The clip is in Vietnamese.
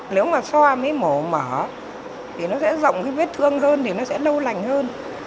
nếu mà so với mổ mở thì nó sẽ rộng cái vết thương hơn thì nó sẽ lâu lành hơn